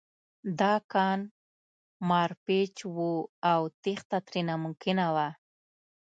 دا کان مارپیچ و او تېښته ترې ناممکنه وه